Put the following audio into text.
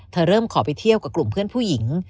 เจอกับกลุ่มเพื่อนผู้หญิง